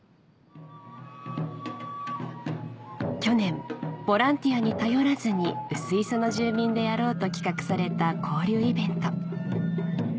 去年ボランティアに頼らずに薄磯の住民でやろうと企画された交流イベント